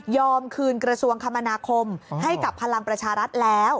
คืนกระทรวงคมนาคมให้กับพลังประชารัฐแล้ว